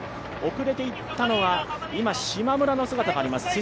遅れていったのはしまむらの姿があります。